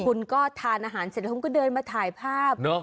คุณก็ทานอาหารเสร็จแล้วคุณก็เดินมาถ่ายภาพ